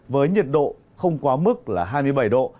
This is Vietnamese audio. với nhiệt độ không quá mức là hai mươi bảy độ